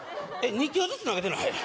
２球ずつ投げてない？